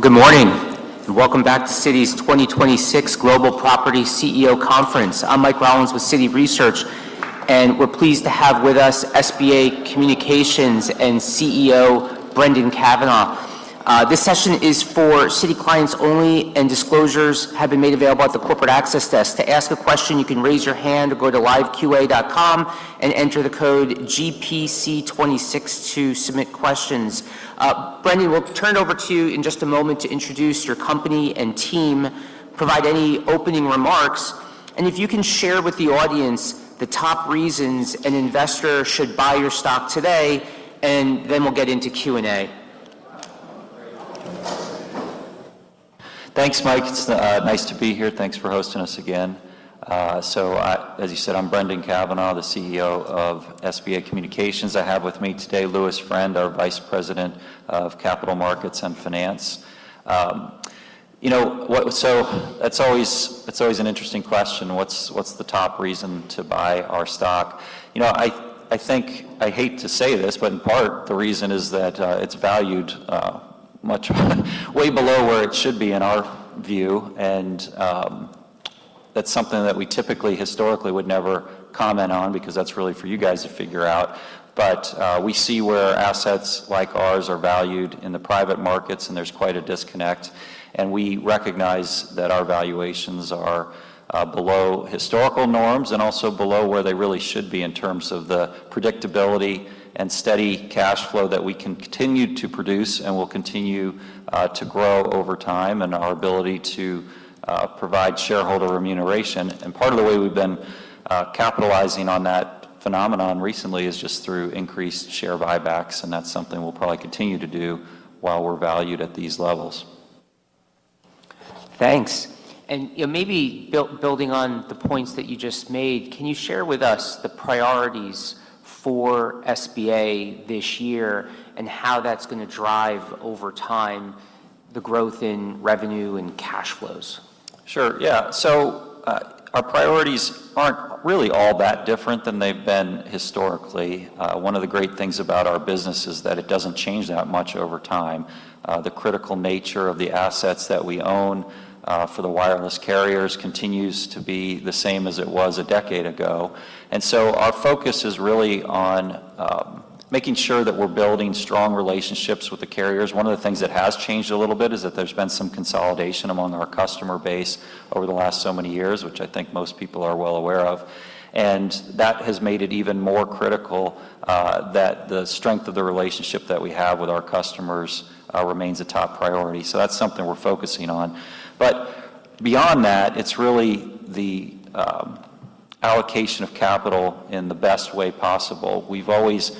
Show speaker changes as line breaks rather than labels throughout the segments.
Well, good morning, welcome back to Citi's 2026 Global Property CEO Conference. I'm Mike Rollins with Citi Research, we're pleased to have with us SBA Communications and CEO Brendan Cavanagh. This session is for Citi clients only, disclosures have been made available at the corporate access desk. To ask a question, you can raise your hand or go to liveqa.com and enter the code GPC26 to submit questions. Brendan, we'll turn it over to you in just a moment to introduce your company and team, provide any opening remarks, if you can share with the audience the top reasons an investor should buy your stock today, we'll get into Q&A.
Thanks, Mike. It's nice to be here. Thanks for hosting us again. As you said, I'm Brendan Cavanagh, the CEO of SBA Communications. I have with me today Louis Friend, our Vice President of Capital Markets and Finance. You know, That's always an interesting question, what's the top reason to buy our stock? You know, I think, I hate to say this, but in part the reason is that it's valued, much, way below where it should be in our view, and that's something that we typically historically would never comment on because that's really for you guys to figure out. We see where assets like ours are valued in the private markets, and there's quite a disconnect, and we recognize that our valuations are below historical norms and also below where they really should be in terms of the predictability and steady cash flow that we continue to produce and will continue to grow over time and our ability to provide shareholder remuneration. Part of the way we've been capitalizing on that phenomenon recently is just through increased share buybacks, and that's something we'll probably continue to do while we're valued at these levels.
Thanks. You know, maybe building on the points that you just made, can you share with us the priorities for SBA this year and how that's going to drive over time the growth in revenue and cash flows?
Sure, yeah. Our priorities aren't really all that different than they've been historically. One of the great things about our business is that it doesn't change that much over time. The critical nature of the assets that we own for the wireless carriers continues to be the same as it was a decade ago. Our focus is really on making sure that we're building strong relationships with the carriers. One of the things that has changed a little bit is that there's been some consolidation among our customer base over the last so many years, which I think most people are well aware of. That has made it even more critical that the strength of the relationship that we have with our customers remains a top priority. That's something we're focusing on. Beyond that, it's really the allocation of capital in the best way possible. We've always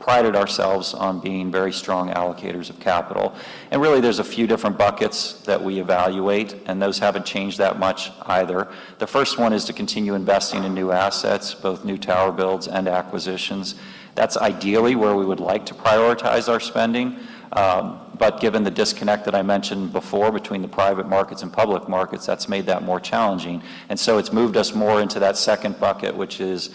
prided ourselves on being very strong allocators of capital. Really, there's a few different buckets that we evaluate, and those haven't changed that much either. The first one is to continue investing in new assets, both new tower builds and acquisitions. That's ideally where we would like to prioritize our spending. Given the disconnect that I mentioned before between the private markets and public markets, that's made that more challenging. It's moved us more into that second bucket, which is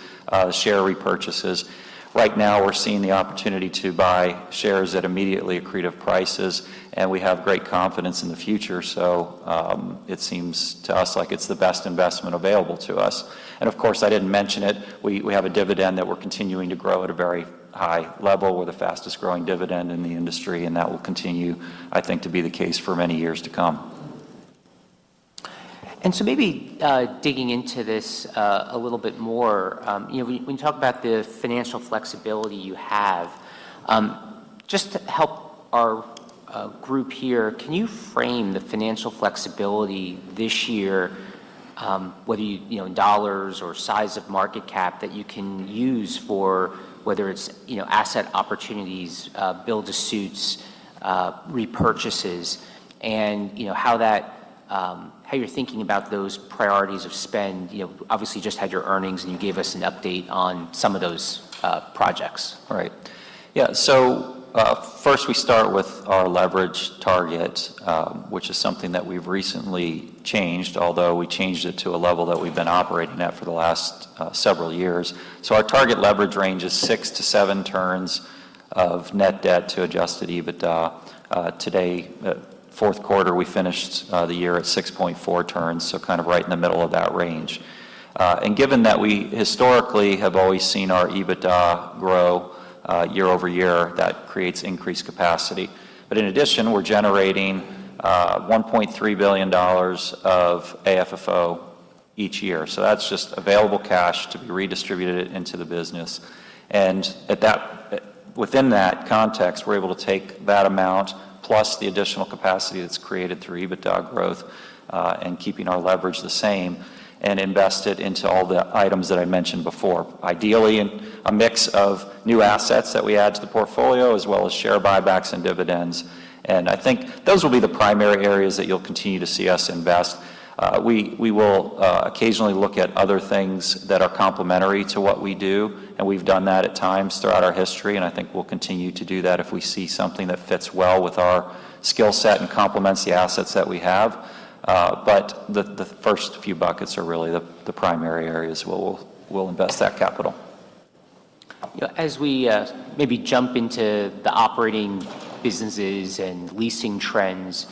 share repurchases. Right now, we're seeing the opportunity to buy shares at immediately accretive prices, and we have great confidence in the future. It seems to us like it's the best investment available to us. Of course, I didn't mention it, we have a dividend that we're continuing to grow at a very high level. We're the fastest-growing dividend in the industry, and that will continue, I think, to be the case for many years to come.
Maybe, digging into this, a little bit more, you know, when you talk about the financial flexibility you have, just to help our group here, can you frame the financial flexibility this year, whether you know, in dollars or size of market cap that you can use for whether it's, you know, asset opportunities, build-to-suits, repurchases, and you know, how that, how you're thinking about those priorities of spend? You know, obviously you just had your earnings, and you gave us an update on some of those projects.
Right. Yeah. First we start with our leverage target, which is something that we've recently changed, although we changed it to a level that we've been operating at for the last several years. Our target leverage range is 6-7 turns of net debt to adjusted EBITDA. Today, fourth quarter, we finished the year at 6.4 turns, so kind of right in the middle of that range. Given that we historically have always seen our EBITDA grow year-over-year, that creates increased capacity. In addition, we're generating $1.3 billion of AFFO each year. That's just available cash to be redistributed into the business. At that, within that context, we're able to take that amount plus the additional capacity that's created through EBITDA growth, and keeping our leverage the same and invest it into all the items that I mentioned before. Ideally in a mix of new assets that we add to the portfolio, as well as share buybacks and dividends. I think those will be the primary areas that you'll continue to see us invest. We will occasionally look at other things that are complementary to what we do, and we've done that at times throughout our history, and I think we'll continue to do that if we see something that fits well with our skill set and complements the assets that we have. The first few buckets are really the primary areas where we'll invest that capital.
You know, as we, maybe jump into the operating businesses and leasing trends,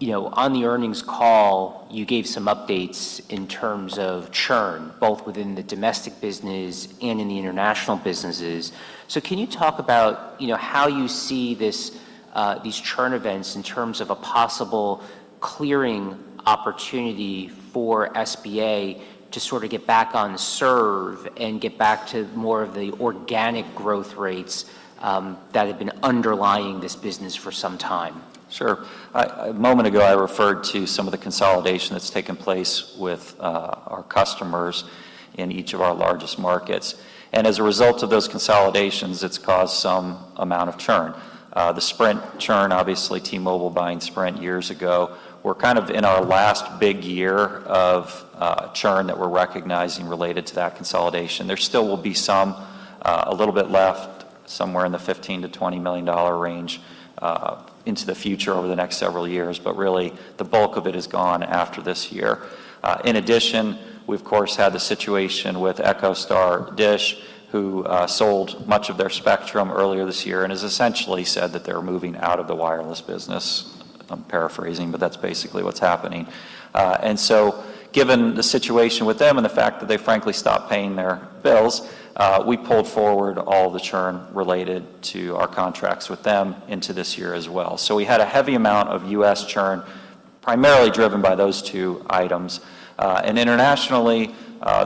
you know, on the earnings call, you gave some updates in terms of churn, both within the domestic business and in the international businesses. Can you talk about, you know, how you see this, these churn events in terms of a possible clearing opportunity for SBA to sort of get back on serve and get back to more of the organic growth rates, that have been underlying this business for some time?
Sure. A moment ago, I referred to some of the consolidation that's taken place with our customers in each of our largest markets. As a result of those consolidations, it's caused some amount of churn. The Sprint churn, obviously T-Mobile buying Sprint years ago, we're kind of in our last big year of churn that we're recognizing related to that consolidation. There still will be some, a little bit left somewhere in the $15 million-$20 million range into the future over the next several years. Really, the bulk of it is gone after this year. In addition, we, of course, had the situation with EchoStar, DISH, who sold much of their spectrum earlier this year and has essentially said that they're moving out of the wireless business. I'm paraphrasing, but that's basically what's happening. Given the situation with them and the fact that they frankly stopped paying their bills, we pulled forward all the churn related to our contracts with them into this year as well. We had a heavy amount of U.S. churn primarily driven by those two items. Internationally,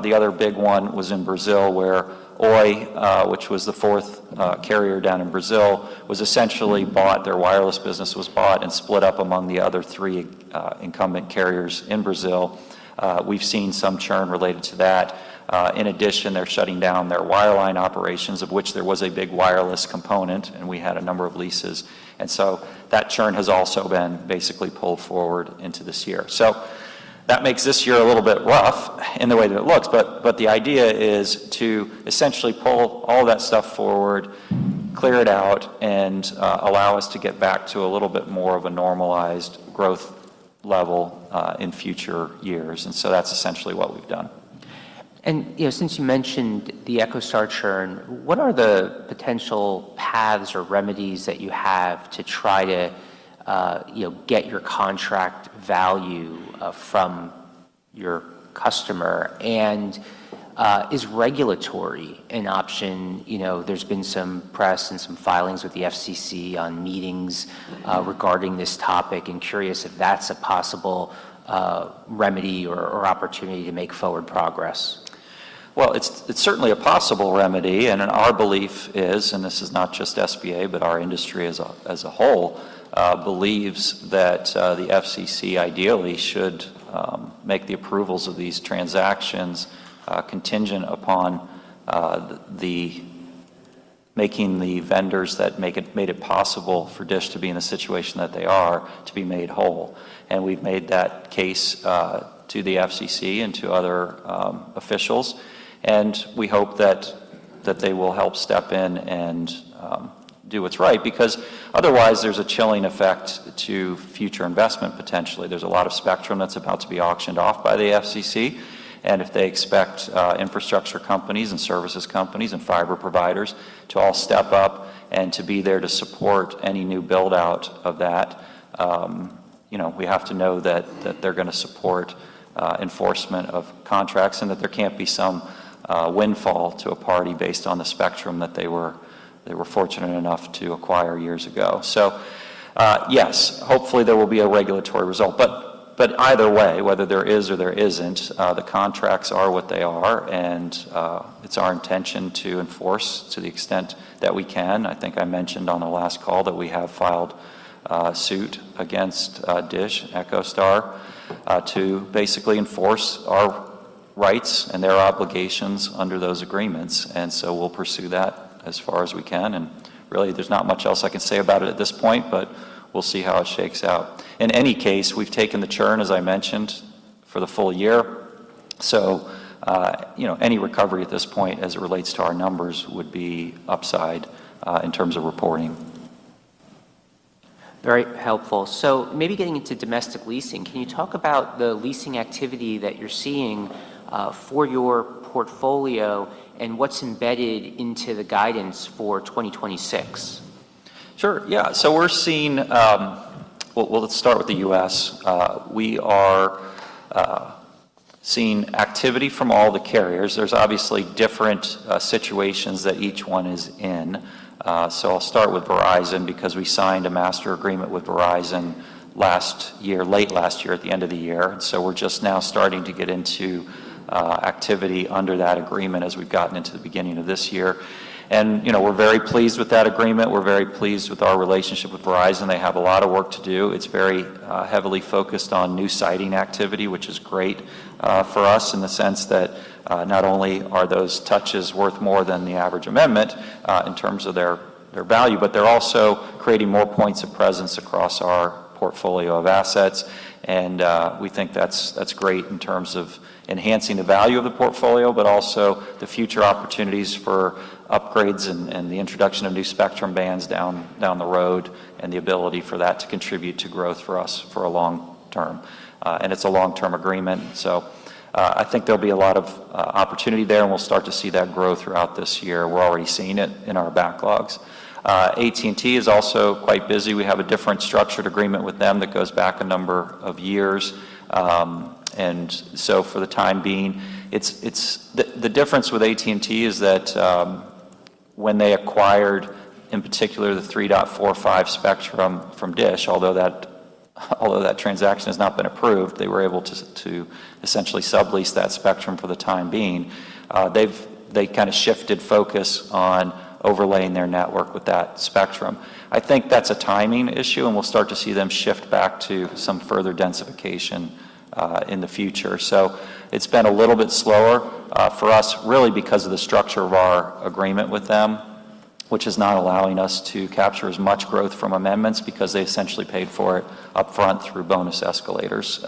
the other big one was in Brazil, where Oi, which was the fourth carrier down in Brazil, was essentially bought. Their wireless business was bought and split up among the other three incumbent carriers in Brazil. We've seen some churn related to that. In addition, they're shutting down their wireline operations, of which there was a big wireless component, and we had a number of leases. That churn has also been basically pulled forward into this year. That makes this year a little bit rough in the way that it looks. The idea is to essentially pull all that stuff forward, clear it out, and allow us to get back to a little bit more of a normalized growth level in future years. That's essentially what we've done.
You know, since you mentioned the EchoStar churn, what are the potential paths or remedies that you have to try to, you know, get your contract value from your customer? Is regulatory an option? You know, there's been some press and some filings with the FCC on meetings regarding this topic. I'm curious if that's a possible remedy or opportunity to make forward progress.
Well, it's certainly a possible remedy. Our belief is, and this is not just SBA, but our industry as a whole, believes that the FCC ideally should make the approvals of these transactions contingent upon the making the vendors that made it possible for DISH to be in the situation that they are to be made whole. We've made that case to the FCC and to other officials. We hope that they will help step in and do what's right, because otherwise there's a chilling effect to future investment potentially. There's a lot of spectrum that's about to be auctioned off by the FCC. If they expect infrastructure companies and services companies and fiber providers to all step up and to be there to support any new build out of that, you know, we have to know that they're going to support enforcement of contracts and that there can't be some windfall to a party based on the spectrum that they were fortunate enough to acquire years ago. Yes, hopefully, there will be a regulatory result. Either way, whether there is or there isn't, the contracts are what they are, and it's our intention to enforce to the extent that we can. I think I mentioned on the last call that we have filed suit against DISH, EchoStar, to basically enforce our rights and their obligations under those agreements. We'll pursue that as far as we can. Really, there's not much else I can say about it at this point, but we'll see how it shakes out. In any case, we've taken the churn, as I mentioned, for the full year. You know, any recovery at this point as it relates to our numbers would be upside in terms of reporting.
Very helpful. Maybe getting into domestic leasing, can you talk about the leasing activity that you're seeing, for your portfolio and what's embedded into the guidance for 2026?
Sure. Yeah. We're seeing, well, let's start with the U.S. We are seeing activity from all the carriers. There's obviously different situations that each one is in. I'll start with Verizon because we signed a master agreement with Verizon last year, late last year at the end of the year. We're just now starting to get into activity under that agreement as we've gotten into the beginning of this year. You know, we're very pleased with that agreement. We're very pleased with our relationship with Verizon. They have a lot of work to do. It's very heavily focused on new siting activity, which is great for us in the sense that not only are those touches worth more than the average amendment in terms of their value, but they're also creating more points of presence across our portfolio of assets. We think that's great in terms of enhancing the value of the portfolio, but also the future opportunities for upgrades and the introduction of new spectrum bands down the road and the ability for that to contribute to growth for us for a long term. It's a long-term agreement. I think there'll be a lot of opportunity there, and we'll start to see that grow throughout this year. We're already seeing it in our backlogs. AT&T is also quite busy. We have a different structured agreement with them that goes back a number of years. For the time being, the difference with AT&T is that when they acquired, in particular, the 3.45 spectrum from DISH, although that transaction has not been approved, they were able to essentially sublease that spectrum for the time being. They kind of shifted focus on overlaying their network with that spectrum. I think that's a timing issue, and we'll start to see them shift back to some further densification in the future. It's been a little bit slower for us, really because of the structure of our agreement with them, which is not allowing us to capture as much growth from amendments because they essentially paid for it upfront through bonus escalators.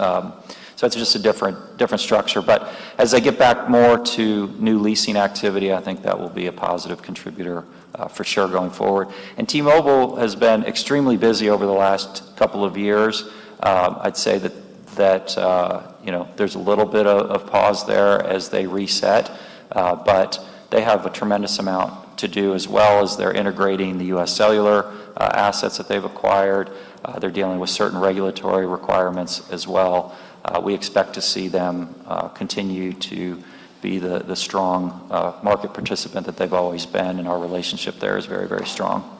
It's just a different structure. As they get back more to new leasing activity, I think that will be a positive contributor for sure going forward. T-Mobile has been extremely busy over the last couple of years. I'd say that there's a little bit of pause there as they reset, but they have a tremendous amount to do as well as they're integrating the U.S. Cellular assets that they've acquired. They're dealing with certain regulatory requirements as well. We expect to see them continue to be the strong market participant that they've always been, and our relationship there is very, very strong.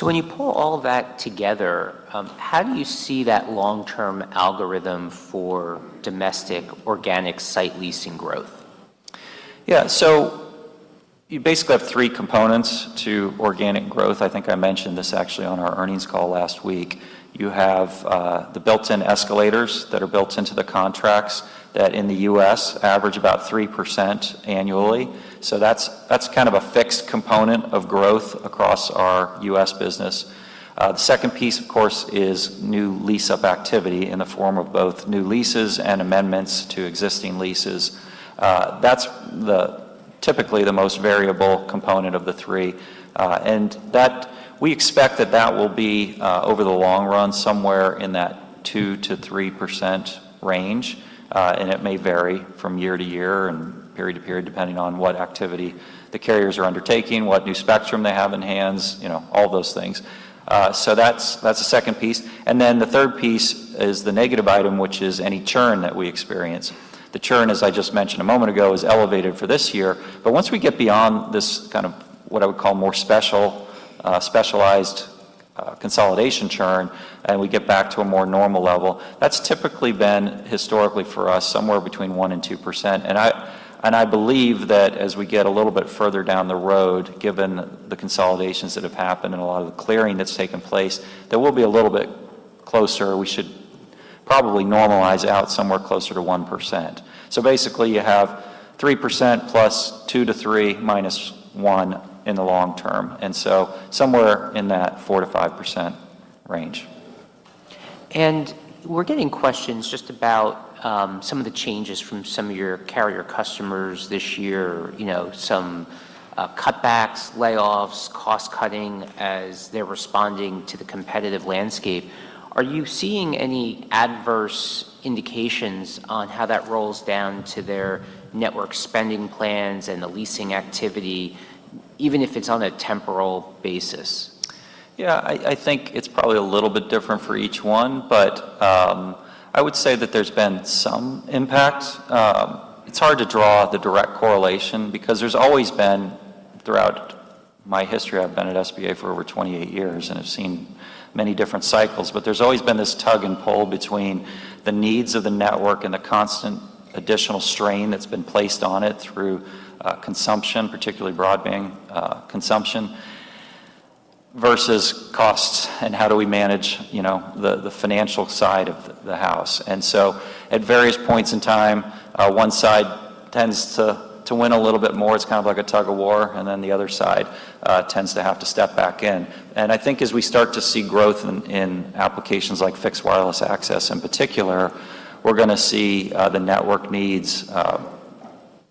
When you pull all of that together, how do you see that long-term algorithm for domestic organic site leasing growth?
Yeah, you basically have 3 components to organic growth. I think I mentioned this actually on our earnings call last week. You have the built-in escalators that are built into the contracts that in the U.S. average about 3% annually. That's kind of a fixed component of growth across our U.S. business. The second piece, of course, is new lease-up activity in the form of both new leases and amendments to existing leases. That's typically the most variable component of the 3. We expect that that will be over the long run somewhere in that 2%-3% range. It may vary from year to year and period to period depending on what activity the carriers are undertaking, what new spectrum they have in hands, all those things. That's the second piece. The third piece is the negative item, which is any churn that we experience. The churn, as I just mentioned a moment ago, is elevated for this year. Once we get beyond this kind of what I would call more specialized consolidation churn and we get back to a more normal level, that's typically been historically for us somewhere between 1% and 2%. I believe that as we get a little bit further down the road, given the consolidations that have happened and a lot of the clearing that's taken place, that we'll be a little bit closer. We should probably normalize out somewhere closer to 1%. Basically you have 3% plus 2% to 3% minus 1% in the long term. Somewhere in that 4%-5% range.
We're getting questions just about some of the changes from some of your carrier customers this year, some cutbacks, layoffs, cost cutting as they're responding to the competitive landscape. Are you seeing any adverse indications on how that rolls down to their network spending plans and the leasing activity, even if it's on a temporal basis?
Yeah, I think it's probably a little bit different for each one, but I would say that there's been some impact. It's hard to draw the direct correlation because there's always been throughout my history, I've been at SBA for over 28 years and I've seen many different cycles, but there's always been this tug and pull between the needs of the network and the constant additional strain that's been placed on it through consumption, particularly broadband consumption versus costs and how do we manage the financial side of the house. At various points in time, one side tends to win a little bit more. It's kind of like a tug of war. The other side tends to have to step back in. I think as we start to see growth in applications like fixed wireless access in particular, we're going to see the network needs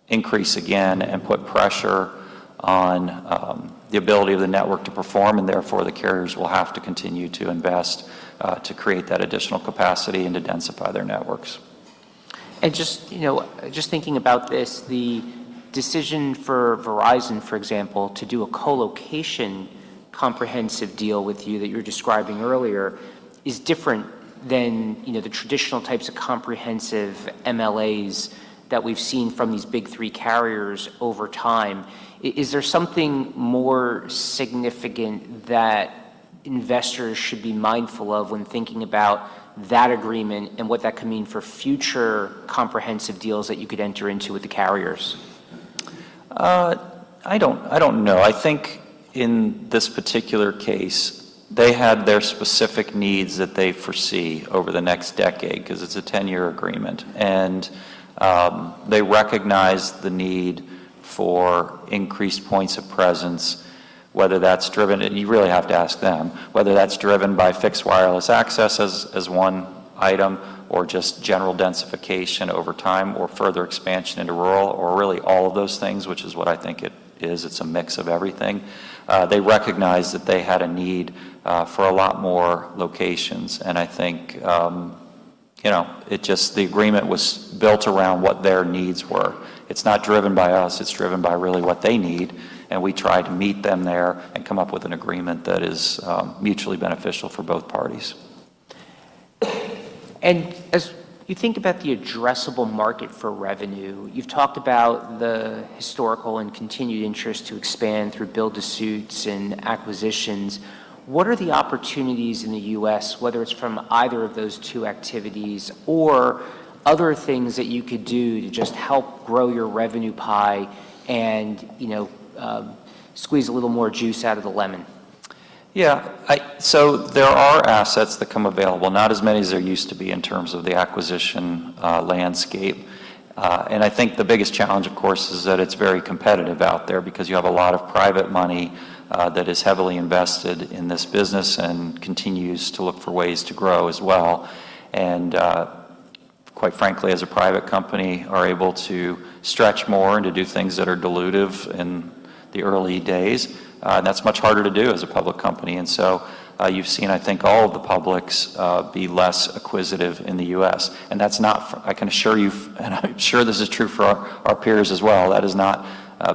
increase again and put pressure on the ability of the network to perform. Therefore the carriers will have to continue to invest to create that additional capacity and to densify their networks.
Just thinking about this, the decision for Verizon, for example, to do a co-location comprehensive deal with you that you were describing earlier is different than the traditional types of comprehensive MLAs that we've seen from these big three carriers over time. Is there something more significant that investors should be mindful of when thinking about that agreement and what that could mean for future comprehensive deals that you could enter into with the carriers?
I don't know. I think in this particular case, they had their specific needs that they foresee over the next decade because it's a 10-year agreement. They recognize the need for increased points of presence, whether that's driven, and you really have to ask them, whether that's driven by fixed wireless access as 1 item or just general densification over time or further expansion into rural or really all of those things, which is what I think it is. It's a mix of everything. They recognize that they had a need for a lot more locations. I think you know, it just the agreement was built around what their needs were. It's not driven by us. It's driven by really what they need. And we try to meet them there and come up with an agreement that is mutually beneficial for both parties.
As you think about the addressable market for revenue, you've talked about the historical and continued interest to expand through build-to-suits and acquisitions. What are the opportunities in the U.S., whether it's from either of those two activities or other things that you could do to just help grow your revenue pie and, you know, squeeze a little more juice out of the lemon?
Yeah. There are assets that come available, not as many as there used to be in terms of the acquisition landscape. I think the biggest challenge, of course, is that it's very competitive out there because you have a lot of private money that is heavily invested in this business and continues to look for ways to grow as well. Quite frankly, as a private company, are able to stretch more and to do things that are dilutive in the early days. That's much harder to do as a public company. You've seen, I think, all of the publics be less acquisitive in the U.S. That's not, I can assure you, and I'm sure this is true for our peers as well, that is not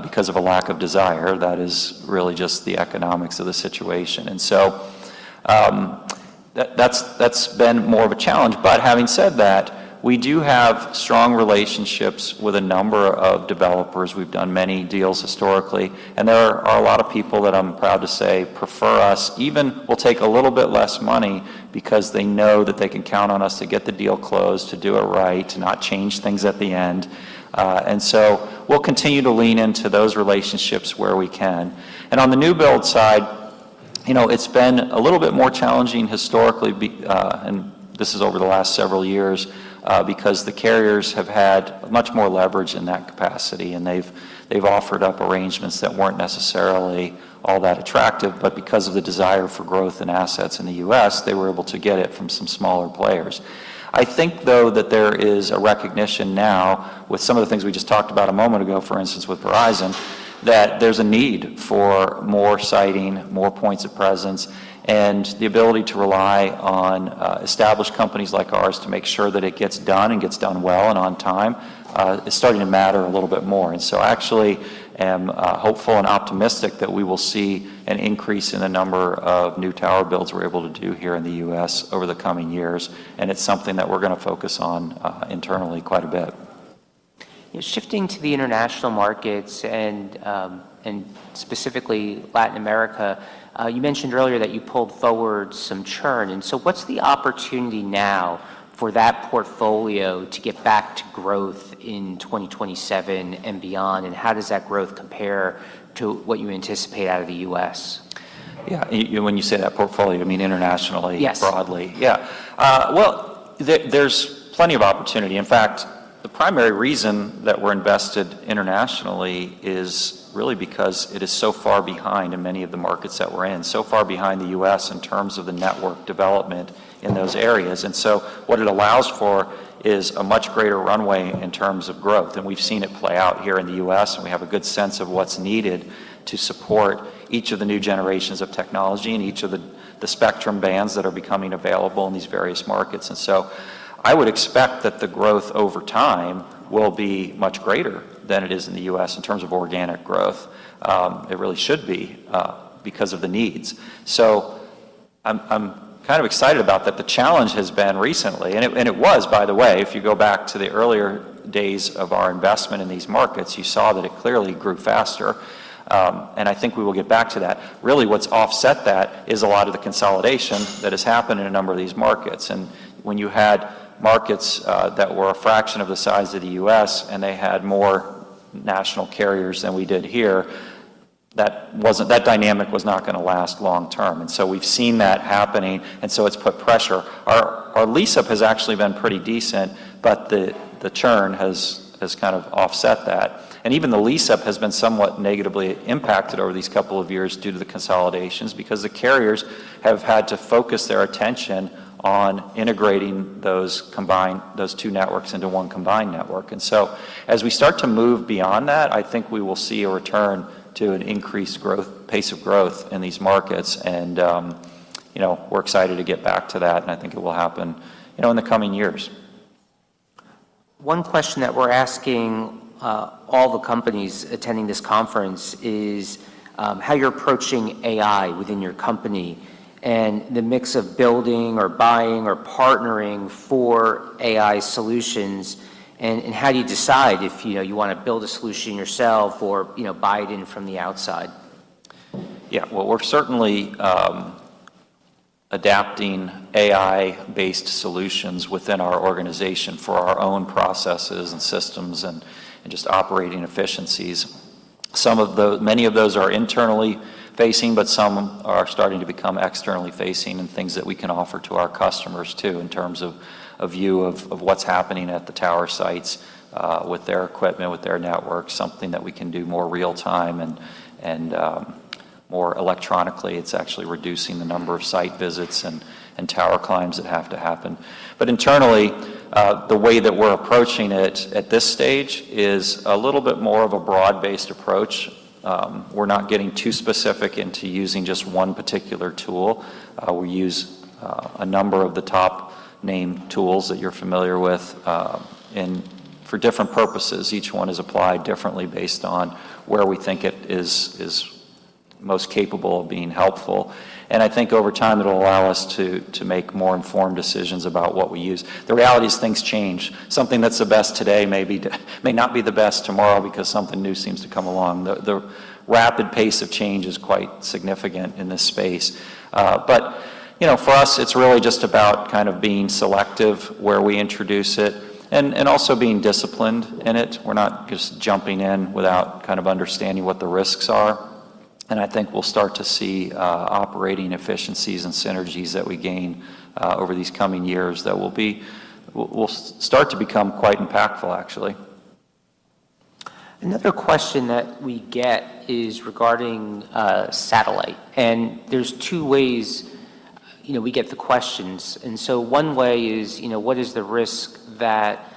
because of a lack of desire. That is really just the economics of the situation. That's been more of a challenge. Having said that, we do have strong relationships with a number of developers. We've done many deals historically. There are a lot of people that I'm proud to say prefer us, even will take a little bit less money because they know that they can count on us to get the deal closed, to do it right, to not change things at the end. We'll continue to lean into those relationships where we can. On the new build side, you know, it's been a little bit more challenging historically, and this is over the last several years, because the carriers have had much more leverage in that capacity. They've offered up arrangements that weren't necessarily all that attractive. Because of the desire for growth and assets in the U.S., they were able to get it from some smaller players. I think, though, that there is a recognition now with some of the things we just talked about a moment ago, for instance, with Verizon, that there's a need for more siting, more points of presence, and the ability to rely on established companies like ours to make sure that it gets done and gets done well and on time is starting to matter a little bit more. I actually am hopeful and optimistic that we will see an increase in the number of new tower builds we're able to do here in the U.S. over the coming years. It's something that we're going to focus on internally quite a bit.
Shifting to the international markets and specifically Latin America, you mentioned earlier that you pulled forward some churn. What's the opportunity now for that portfolio to get back to growth in 2027 and beyond? How does that growth compare to what you anticipate out of the U.S.?
Yeah. When you say that portfolio, you mean internationally broadly.
Yes.
Yeah. Well, there's plenty of opportunity. In fact, the primary reason that we're invested internationally is really because it is so far behind in many of the markets that we're in, so far behind the U.S. in terms of the network development in those areas. What it allows for is a much greater runway in terms of growth. We've seen it play out here in the U.S. We have a good sense of what's needed to support each of the new generations of technology and each of the spectrum bands that are becoming available in these various markets. I would expect that the growth over time will be much greater than it is in the U.S. in terms of organic growth. It really should be because of the needs. I'm kind of excited about that. The challenge has been recently, and it was, by the way, if you go back to the earlier days of our investment in these markets, you saw that it clearly grew faster. I think we will get back to that. Really what's offset that is a lot of the consolidation that has happened in a number of these markets. When you had markets that were a fraction of the size of the U.S. and they had more national carriers than we did here, that dynamic was not going to last long term. We've seen that happening. It's put pressure. Our lease-up has actually been pretty decent, but the churn has kind of offset that. Even the lease-up has been somewhat negatively impacted over these couple of years due to the consolidations because the carriers have had to focus their attention on integrating those two networks into one combined network. As we start to move beyond that, I think we will see a return to an increased pace of growth in these markets. We're excited to get back to that. I think it will happen in the coming years.
One question that we're asking all the companies attending this conference is how you're approaching AI within your company and the mix of building or buying or partnering for AI solutions. How do you decide if you want to build a solution yourself or buy it in from the outside?
Yeah. Well, we're certainly adapting AI-based solutions within our organization for our own processes and systems and just operating efficiencies. Many of those are internally facing, but some are starting to become externally facing and things that we can offer to our customers too in terms of a view of what's happening at the tower sites with their equipment, with their network, something that we can do more real-time and more electronically. It's actually reducing the number of site visits and tower climbs that have to happen. Internally, the way that we're approaching it at this stage is a little bit more of a broad-based approach. We're not getting too specific into using just one particular tool. We use a number of the topName tools that you're familiar with, and for different purposes, each one is applied differently based on where we think it is most capable of being helpful. I think over time, it'll allow us to make more informed decisions about what we use. The reality is things change. Something that's the best today may not be the best tomorrow because something new seems to come along. The rapid pace of change is quite significant in this space. You know, for us, it's really just about kind of being selective where we introduce it and also being disciplined in it. We're not just jumping in without kind of understanding what the risks are. I think we'll start to see, operating efficiencies and synergies that we gain, over these coming years that will be. Will start to become quite impactful, actually.
Another question that we get is regarding satellite, and there's two ways, you know, we get the questions. One way is, you know, what is the risk that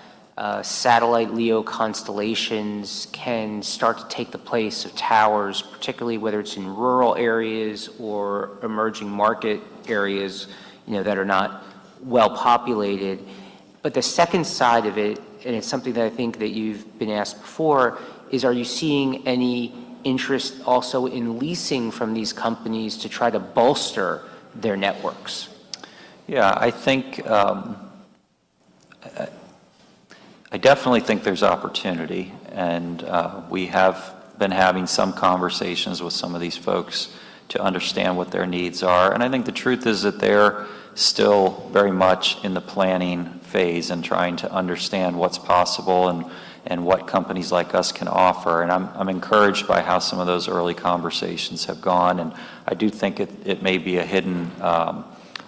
satellite LEO constellations can start to take the place of towers, particularly whether it's in rural areas or emerging market areas, you know, that are not well-populated. The second side of it, and it's something that I think that you've been asked before, is are you seeing any interest also in leasing from these companies to try to bolster their networks?
Yeah, I definitely think there's opportunity. We have been having some conversations with some of these folks to understand what their needs are. I think the truth is that they're still very much in the planning phase and trying to understand what's possible and what companies like us can offer. I'm encouraged by how some of those early conversations have gone. I do think it may be a hidden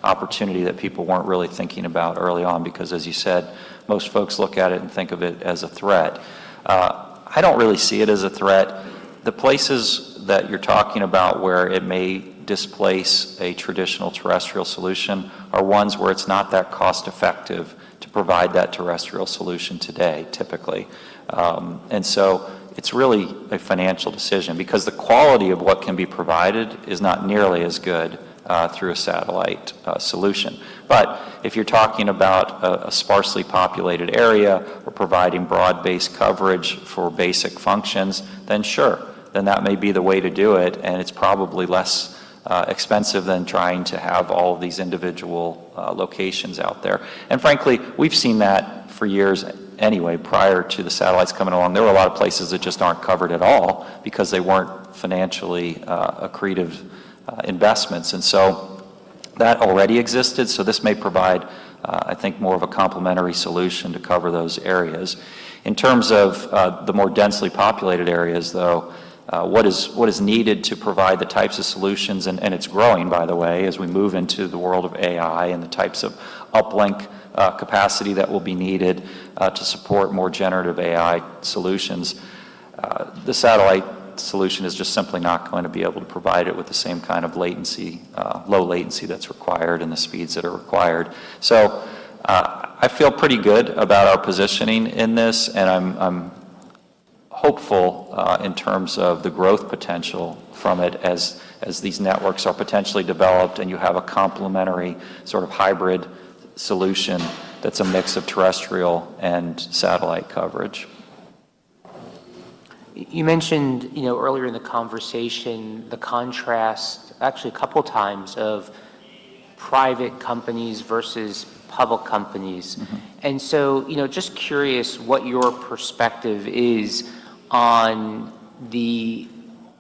opportunity that people weren't really thinking about early on because as you said, most folks look at it and think of it as a threat. I don't really see it as a threat. The places that you're talking about where it may displace a traditional terrestrial solution are ones where it's not that cost-effective to provide that terrestrial solution today, typically. It's really a financial decision because the quality of what can be provided is not nearly as good through a satellite solution. If you're talking about a sparsely populated area or providing broad-based coverage for basic functions, then sure, then that may be the way to do it, and it's probably less expensive than trying to have all these individual locations out there. Frankly, we've seen that for years anyway prior to the satellites coming along. There were a lot of places that just aren't covered at all because they weren't financially accretive investments. That already existed, so this may provide, I think more of a complementary solution to cover those areas. In terms of the more densely populated areas, though, what is needed to provide the types of solutions, and it's growing, by the way, as we move into the world of AI and the types of uplink capacity that will be needed to support more generative AI solutions, the satellite solution is just simply not going to be able to provide it with the same kind of latency, low latency that's required and the speeds that are required. I feel pretty good about our positioning in this, and I'm hopeful in terms of the growth potential from it as these networks are potentially developed and you have a complementary sort of hybrid solution that's a mix of terrestrial and satellite coverage.
You mentioned, you know, earlier in the conversation the contrast, actually a couple times, of private companies versus public companies.
Mm-hmm.
You know, just curious what your perspective is on the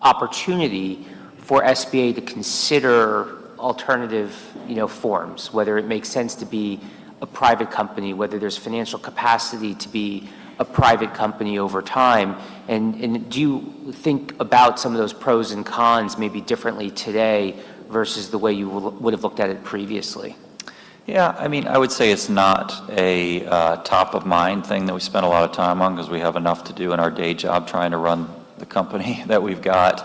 opportunity for SBA to consider alternative, you know, forms, whether it makes sense to be a private company, whether there's financial capacity to be a private company over time, and do you think about some of those pros and cons maybe differently today versus the way you would have looked at it previously?
Yeah. I mean, I would say it's not a top-of-mind thing that we spend a lot of time on because we have enough to do in our day job trying to run the company that we've got.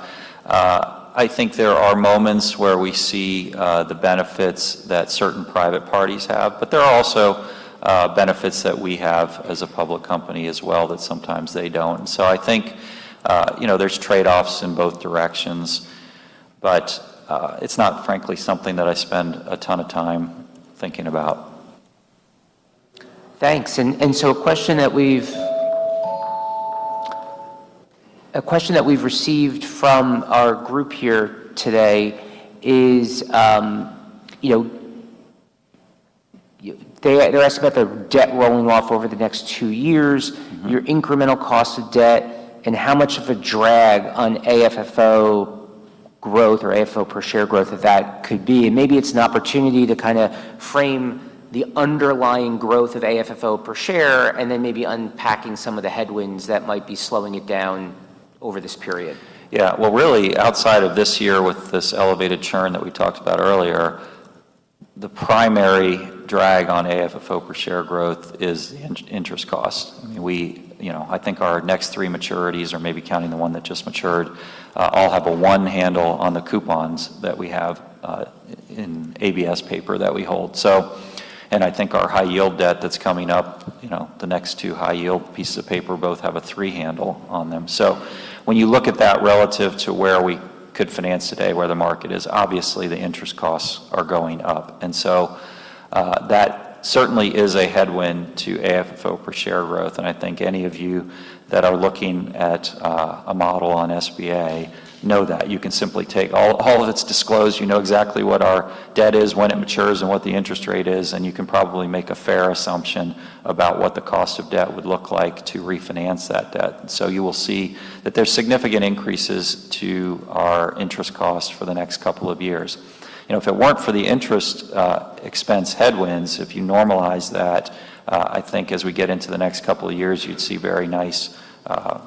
I think there are moments where we see the benefits that certain private parties have, but there are also benefits that we have as a public company as well that sometimes they don't. I think, you know, there's trade-offs in both directions, but it's not frankly something that I spend a ton of time thinking about.
Thanks. A question that we've received from our group here today is, you know, they're asking about the debt rolling off over the next two years.
Mm-hmm.
Your incremental cost of debt, and how much of a drag on AFFO growth or AFFO per share growth that that could be, and maybe it's an opportunity to kind of frame the underlying growth of AFFO per share and then maybe unpacking some of the headwinds that might be slowing it down over this period.
Yeah. Well, really, outside of this year with this elevated churn that we talked about earlier. The primary drag on AFFO per share growth is the inter-interest cost. We, you know, I think our next 3 maturities, or maybe counting the 1 that just matured, all have a 1 handle on the coupons that we have in ABS paper that we hold. I think our high-yield debt that's coming up, you know, the next 2 high-yield pieces of paper both have a 3 handle on them. When you look at that relative to where we could finance today, where the market is, obviously the interest costs are going up. That certainly is a headwind to AFFO per share growth, and I think any of you that are looking at a model on SBA know that. You can simply take. All of it's disclosed. You know exactly what our debt is, when it matures, and what the interest rate is, and you can probably make a fair assumption about what the cost of debt would look like to refinance that debt. You will see that there's significant increases to our interest cost for the next couple of years. You know, if it weren't for the interest expense headwinds, if you normalize that, I think as we get into the next couple of years, you'd see very nice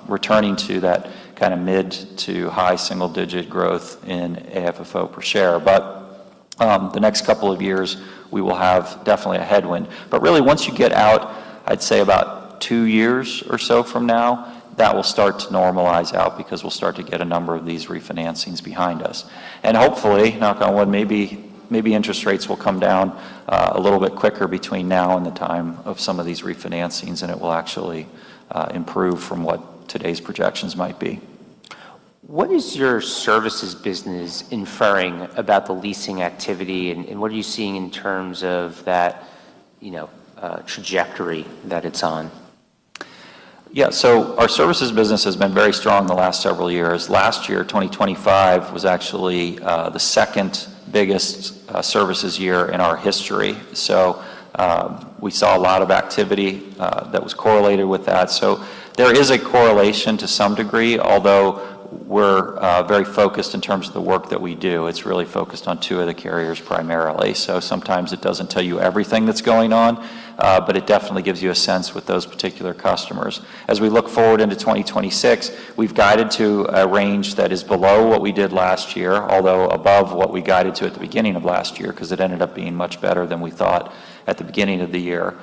returning to that kind of mid to high single digit growth in AFFO per share. The next couple of years we will have definitely a headwind. Really, once you get out, I'd say about 2 years or so from now, that will start to normalize out because we'll start to get a number of these refinancings behind us. Hopefully, knock on wood, maybe interest rates will come down a little bit quicker between now and the time of some of these refinancings, and it will actually improve from what today's projections might be.
What is your services business inferring about the leasing activity, and what are you seeing in terms of that, you know, trajectory that it's on?
Our services business has been very strong the last several years. Last year, 2025, was actually the second biggest services year in our history. We saw a lot of activity that was correlated with that. There is a correlation to some degree, although we're very focused in terms of the work that we do. It's really focused on two of the carriers primarily. Sometimes it doesn't tell you everything that's going on, but it definitely gives you a sense with those particular customers. As we look forward into 2026, we've guided to a range that is below what we did last year, although above what we guided to at the beginning of last year 'cause it ended up being much better than we thought at the beginning of the year.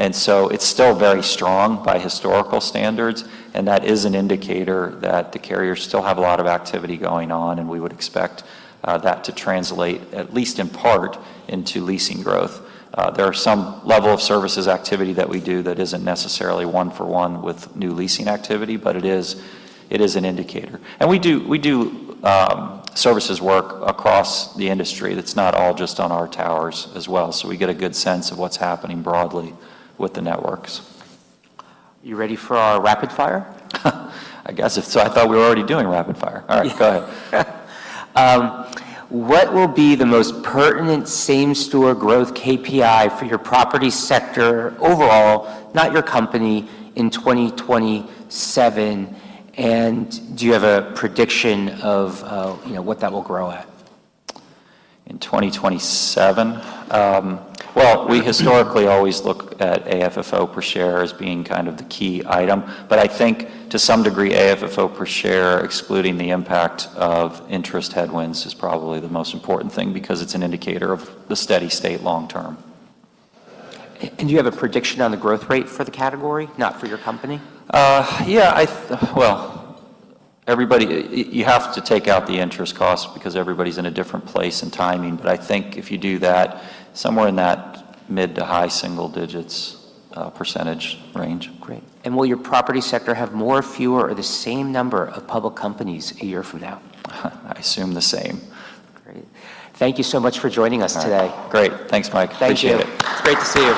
It's still very strong by historical standards, and that is an indicator that the carriers still have a lot of activity going on, and we would expect that to translate, at least in part, into leasing growth. There are some level of services activity that we do that isn't necessarily one-for-one with new leasing activity, but it is an indicator. We do services work across the industry. It's not all just on our towers as well, so we get a good sense of what's happening broadly with the networks.
You ready for our rapid fire?
I guess. If so, I thought we were already doing rapid fire. All right, go ahead.
What will be the most pertinent same-store growth KPI for your property sector overall, not your company, in 2027, and do you have a prediction of, you know, what that will grow at?
In 2027? Well, we historically always look at AFFO per share as being kind of the key item. I think, to some degree, AFFO per share, excluding the impact of interest headwinds, is probably the most important thing because it's an indicator of the steady state long term.
Do you have a prediction on the growth rate for the category? Not for your company.
Well, everybody, you have to take out the interest cost because everybody's in a different place in timing. I think if you do that, somewhere in that mid to high single digits % range.
Great. Will your property sector have more, fewer, or the same number of public companies a year from now?
I assume the same.
Great. Thank you so much for joining us today.
All right. Great. Thanks, Mike.
Thank you.
Appreciate it.
It's great to see you.